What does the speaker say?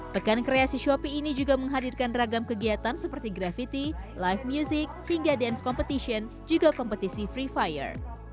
pekan kreasi shopee ini juga menghadirkan ragam kegiatan seperti gravity live music hingga dance competition juga kompetisi free fire